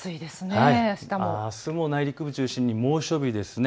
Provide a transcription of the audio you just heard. あすも内陸部中心に猛暑日です。